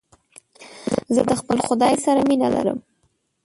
زه د خپل خداى سره مينه لرم.